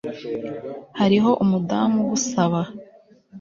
Hariho umudamu ugusaba